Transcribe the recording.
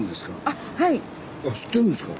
あ知ってるんですか？